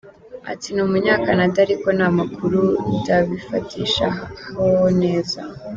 Ati “Ni Umunya-Canada ariko nta makuru ndabifatishaho neza.